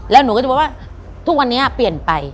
แล้วหนูก็จะบอกว่าทุกวันนี้เปลี่ยนไป